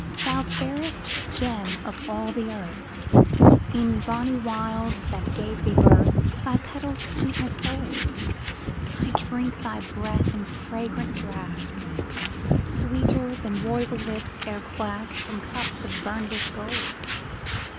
Thou fairest gem of all the earth E'en bonnie wilds that gave thee birth Thy petals' sweetness hold. I drink thy breath in fragrant draught, Sweeter than royal lips e'er quaffed From cups of burnished gold.